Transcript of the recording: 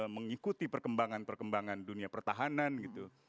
mengikuti perkembangan perkembangan dunia pertahanan gitu